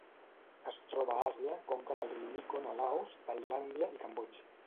Es troba a Àsia: conca del riu Mekong a Laos, Tailàndia i Cambodja.